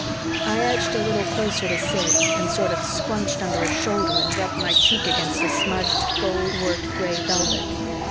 I edged a little closer to Sid and sort of squunched under his shoulder and rubbed my cheek against the smudged, gold worked gray velvet.